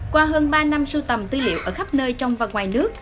qua hơn ba năm sưu tầm tư liệu ở khắp nơi trong và ngoài nước